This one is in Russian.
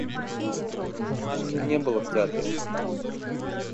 Анны не было в театре.